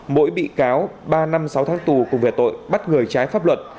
mỗi bị cáo ba năm sáu tháng tù cùng về tội bắt người trái pháp luật